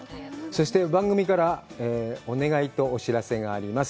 そして、番組からお願いとお知らせがあります。